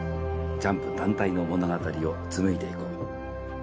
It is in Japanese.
ジャンプ団体の物語を紡いでいこう。